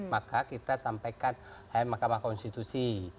maka kita sampaikan ke mahkamah konstitusi